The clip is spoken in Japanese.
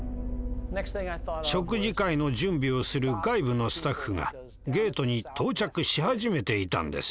食事会の準備をする外部のスタッフがゲートに到着し始めていたんです。